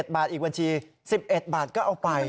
บาทอีกบัญชี๑๑บาทก็เอาไป